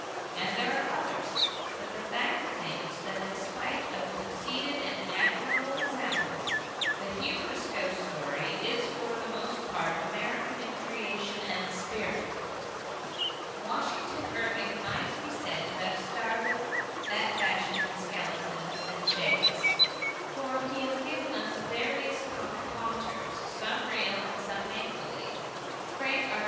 And there are others. But the fact remains that in spite of conceded and admirable examples, the humorous ghost story is for the most part American in creation and spirit. Washington Irving might be said to have started that fashion in skeletons and shades, for he has given us various comic haunters, some real and some make believe. Frank R.